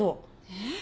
えっ？